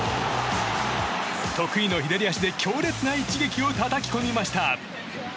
得意の左足で強烈な一撃をたたき込みました。